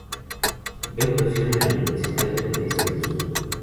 Estudió actuación en la Universidad Metodista del Sur.